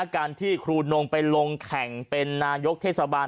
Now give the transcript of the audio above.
การที่ครูนงไปลงแข่งเป็นนายกเทศบาล